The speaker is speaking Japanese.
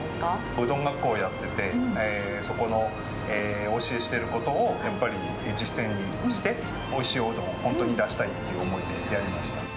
うどん学校やってて、そこのお教えしていることを、やっぱり、実践しておいしいおうどんを本当に出したいという思いでやりました。